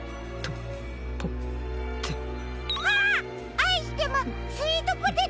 「あいしてまスイートポテト」！